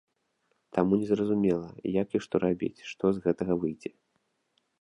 Таму незразумела, як і што рабіць, што з гэтага выйдзе.